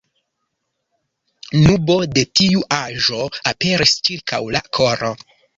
Nubo de tiu aĵo aperis ĉirkaŭ la koro.